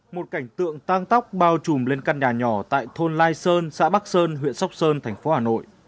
một cảnh tượng tăng tóc bao trùm lên căn nhà nhỏ tại thôn lai sơn xã bắc sơn huyện sóc sơn thành phố hà nội